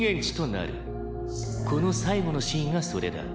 「この最後のシーンがそれだ」